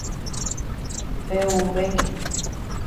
¡Pe'uvéke!